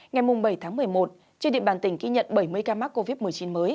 ngày bảy tháng một mươi một trên địa bàn tỉnh ghi nhận bảy mươi ca mắc covid một mươi chín mới